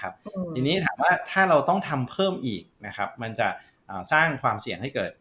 ทีนี้ถามว่าถ้าเราต้องทำเพิ่มอีกนะครับมันจะสร้างความเสี่ยงให้เกิด